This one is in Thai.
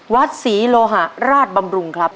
วัดศรีโลหะราชบำรุงครับ